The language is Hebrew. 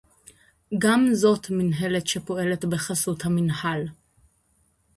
גם זאת מינהלת שפועלת בחסות המינהל